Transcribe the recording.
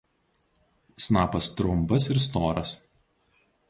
Snapas trumpas ir storas.